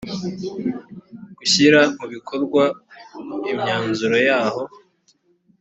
gushyira mu bikorwa imyanzuro yaho